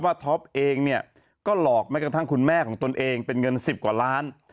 ท็อปเองเนี่ยก็หลอกแม้กระทั่งคุณแม่ของตนเองเป็นเงิน๑๐กว่าล้าน